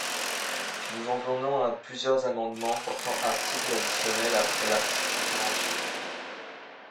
Nous en venons à plusieurs amendements portant articles additionnels après l’article quarante-huit.